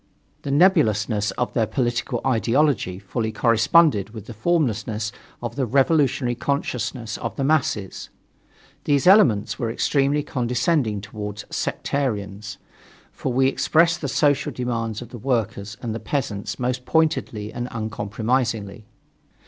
The nebulousness of their political ideology fully corresponded with the formlessness of the revolutionary consciousness of the masses. These elements were extremely condescending toward us "Sectarians," for we expressed the social demands of the workers and the peasants most pointedly and uncompromisingly.